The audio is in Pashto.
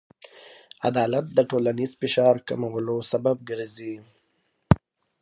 عدالت د ټولنیز فشار کمولو سبب ګرځي.